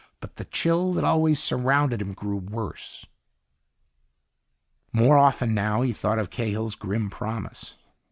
But the chill that always surrounded him grew worse. More often, now, he thought of Cahill's grim promise.